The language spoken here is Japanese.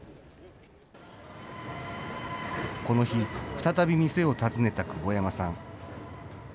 この日、再び店を訪ねた久保山さん。